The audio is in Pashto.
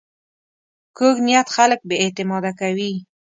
کوږ نیت خلک بې اعتماده کوي